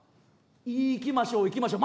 「行きましょう行きましょう」